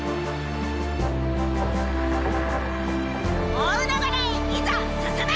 大海原へいざ進め！